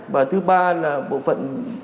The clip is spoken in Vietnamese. và thứ ba là bộ phận